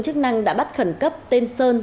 sức năng đã bắt khẩn cấp tên sơn